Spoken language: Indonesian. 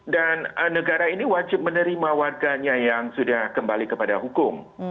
dan negara ini wajib menerima warganya yang sudah kembali kepada hukum